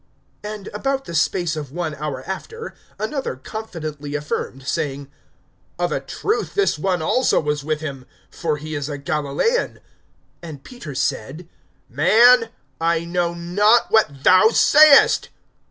(59)And about the space of one hour after, another confidently affirmed, saying: Of a truth this one also was with him; for he is a Galilaean. (60)And Peter said: Man, I know not what thou sayest.